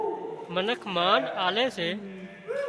منک مانَ آلي سي